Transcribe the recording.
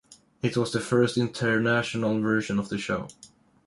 It was the first international version of the show.